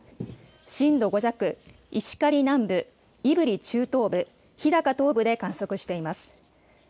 震度５弱、石狩南部、胆振中東部、日高東部で観測しています。